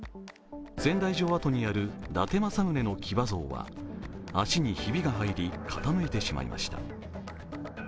仙台城跡にある伊達政宗の騎馬像は脚にひびが入り傾いてしまいました。